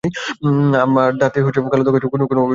আমার দাঁতে কালো দাগ হচ্ছে কোনোভাবেই দাগ যাচ্ছে না।